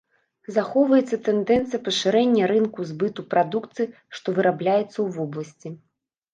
Захоўваецца тэндэнцыя пашырэння рынку збыту прадукцыі, што вырабляецца ў вобласці.